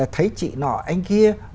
thấy chị nọ anh kia